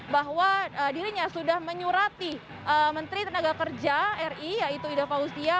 bahwa dirinya sudah menyurati menteri tenaga kerja ri yaitu ida fauzia